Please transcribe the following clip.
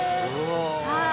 はい。